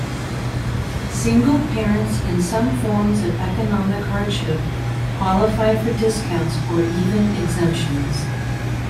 Single parents and some forms of economic hardship qualify for discounts or even exemptions.